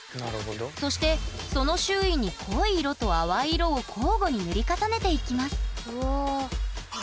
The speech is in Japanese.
そしてその周囲に濃い色と淡い色を交互に塗り重ねていきます。